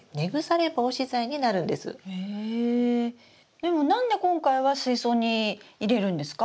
でも何で今回は水槽に入れるんですか？